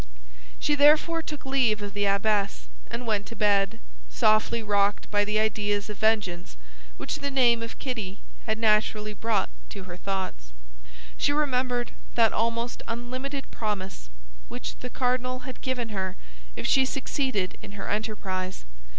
She therefore took leave of the abbess, and went to bed, softly rocked by the ideas of vengeance which the name of Kitty had naturally brought to her thoughts. She remembered that almost unlimited promise which the cardinal had given her if she succeeded in her enterprise.